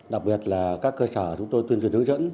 đặc biệt là các cơ sở chúng tôi tuyên truyền hướng dẫn